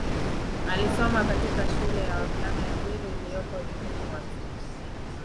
alisoma katika shule ya wavulana ya bwiru iliyoko jijini mwanza